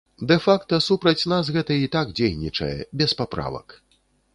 Дэ-факта супраць нас гэта і так дзейнічае, без паправак.